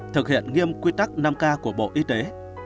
thực hiện nghiêm quy tắc năm k của bộ y tế